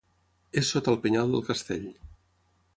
És sota el penyal del castell.